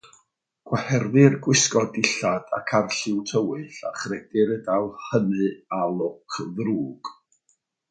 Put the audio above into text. Gwaherddir gwisgo dillad ag arlliw tywyll a chredir y daw hynny â lwc ddrwg.